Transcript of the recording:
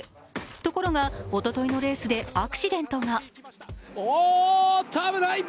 ところがおとといのレースでアクシデントが。